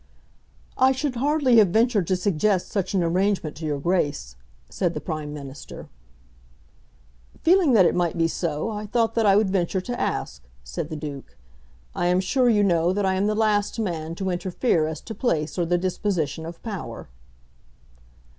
"I should hardly have ventured to suggest such an arrangement to your Grace," said the Prime Minister. "Feeling that it might be so, I thought that I would venture to ask," said the Duke. "I am sure you know that I am the last man to interfere as to place or the disposition of power."